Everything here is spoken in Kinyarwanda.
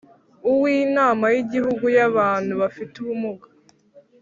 Uw inama y igihugu y abantu bafite ubumuga